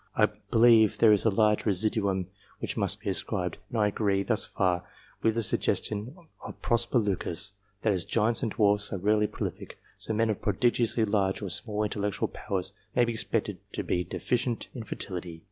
I believe there COMPARISON OF RESULTS 321 is a large residuum which must be so ascribed, and I agree thus far with the suggestion of Prosper Lucas, that, as giants and dwarfs are rarely prolific, so men of prodigiously large or small intellectual powers may be expected to be deficient in fertility.